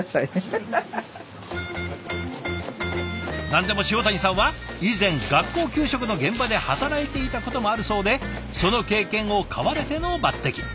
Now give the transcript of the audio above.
何でも塩谷さんは以前学校給食の現場で働いていたこともあるそうでその経験を買われての抜てき。